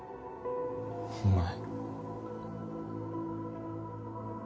お前